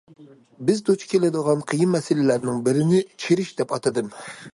بىز دۇچ كېلىدىغان قىيىن مەسىلىلەرنىڭ بىرىنى« چىرىش» دەپ ئاتىدىم.